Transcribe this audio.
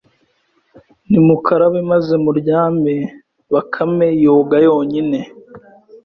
nimukarabe maze muryame Bakame yoga yonyine